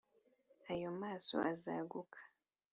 aya maso azaguka